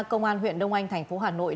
cơ quan huyện đông anh tp hà nội